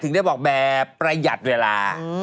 ถึงได้บอกแบรนด์ประหยัดเวลา